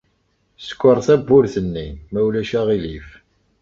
Skeṛ tawwurt-nni, ma ulac aɣilif.